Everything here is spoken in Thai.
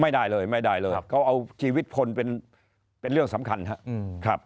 ไม่ได้เลยไม่ได้เลยเขาเอาชีวิตคนเป็นเรื่องสำคัญครับ